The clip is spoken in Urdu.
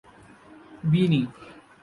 بینی